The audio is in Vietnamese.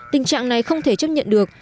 tình trạng này không thể chấp nhận được